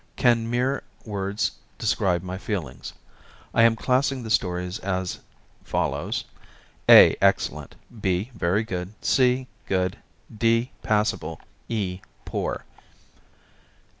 Can mere words describe my feelings? I am classing the stories as follows: A excellent; B very good; C good; D passable; E poor.